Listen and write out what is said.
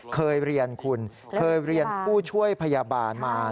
เคยเรียนคุณเคยเรียนผู้ช่วยพยาบาลมา